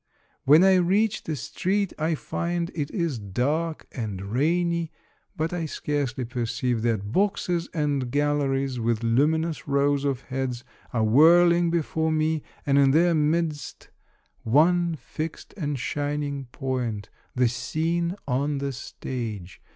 When I reach the street I find it is dark and rainy, but I scarcely perceive that. Boxes and gal leries with luminous rows of heads are whirling be fore me, and in their midst one fixed and shining point, — the scene on the stage.